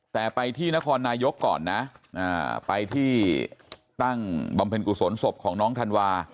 แต่ไปที่นครนายกก่อนนะไปที่ตั้งบำเพ็ญกุศลศพของน้องธันวา